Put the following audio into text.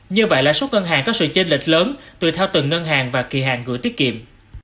như vậy lãi suất ngân hàng có sự chênh lịch lớn tùy theo từng ngân hàng và kỳ hàng gửi tiết kiệm